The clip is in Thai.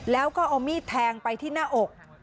แล้วก็เอามีดแทงไปที่หน้าอก